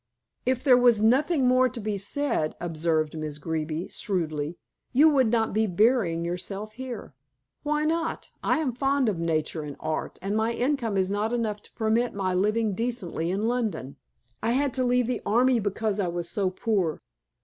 "If there was nothing more to be said," observed Miss Greeby shrewdly, "you would not be burying yourself here." "Why not? I am fond of nature and art, and my income is not enough to permit my living decently in London. I had to leave the army because I was so poor.